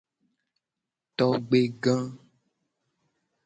Togbega.